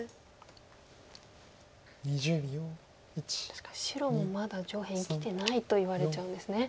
確かに白もまだ上辺生きてないと言われちゃうんですね